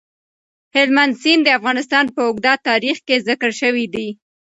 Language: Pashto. هلمند سیند د افغانستان په اوږده تاریخ کې ذکر شوی دی.